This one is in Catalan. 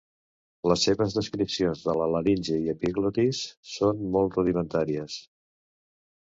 Les seves descripcions de la laringe i epiglotis són molt rudimentàries.